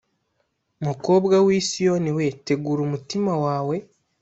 mukobwa w i siyoni we tegura umutima wawe